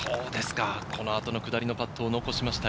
このあと、下りのパットを残しました。